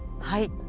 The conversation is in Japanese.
はい。